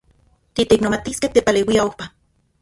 Titeiknomatiskej tepaleuia ojpa.